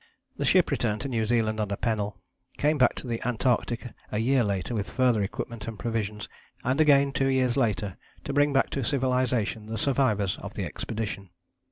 The ship returned to New Zealand under Pennell: came back to the Antarctic a year later with further equipment and provisions, and again two years later to bring back to civilization the survivors of the expedition.